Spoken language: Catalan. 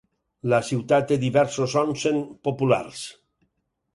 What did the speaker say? La ciutat té diversos "onsen" populars.